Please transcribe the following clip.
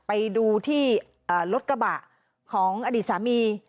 ไปดูที่รถกระบะของอดีตสามี